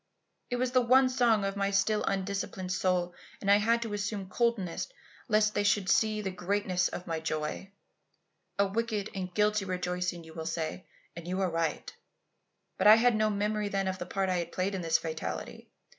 It was the one song of my still undisciplined soul, and I had to assume coldness lest they should see the greatness of my joy. A wicked and guilty rejoicing you will say, and you are right. But I had no memory then of the part I had played in this fatality.